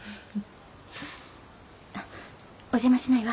あっお邪魔しないわ。